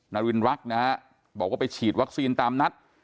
นารินรักนะฮะบอกว่าไปฉีดวัคซีนตามนัด